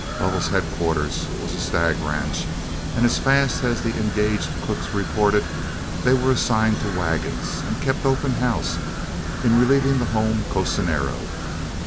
Lovell's headquarters was a stag ranch, and as fast as the engaged cooks reported, they were assigned to wagons, and kept open house in relieving the home cocinero.